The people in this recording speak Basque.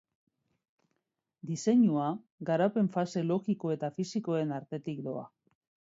Diseinua, garapen-fase logiko eta fisikoen artetik doa.